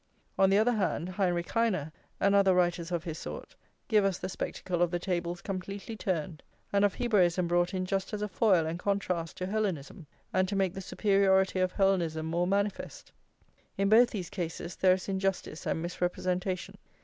On the other hand, Heinrich Heine, and other writers of his sort, give us the spectacle of the tables completely turned, and of Hebraism brought in just as a foil and contrast to Hellenism, and to make the superiority of Hellenism more manifest. In both these cases there is injustice and misrepresentation.